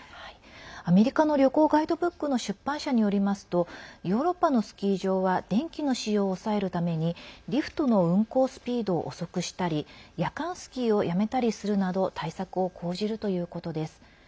アメリカの旅行ガイドブックの出版社によりますとヨーロッパのスキー場は電気の使用を抑えるためにリフトの運行スピードを遅くしたり夜間スキーをやめたりするなど対策を講じるということです。